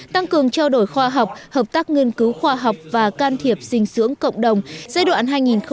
tăng cường trao đổi khoa học hợp tác ngân cứu khoa học và can thiệp dinh dưỡng cộng đồng giai đoạn hai nghìn hai mươi ba hai nghìn hai mươi năm